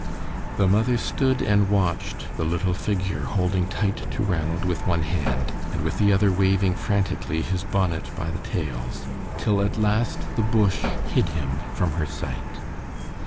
The mother stood and watched the little figure holding tight to Ranald with one hand, and with the other waving frantically his bonnet by the tails, till at last the bush hid him from her sight.